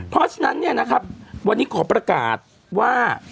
เพราะฉะนั้นวันนี้ขอประกาศว่า